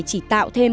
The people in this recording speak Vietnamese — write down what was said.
chỉ tạo thêm